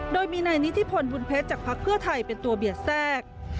โดยมีนายนิธิพลบุญเพชรจากภักดิ์เพื่อไทยเป็นตัวเบียดแทรก